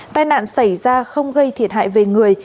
tai nạn xảy ra không gây thiệt hại về người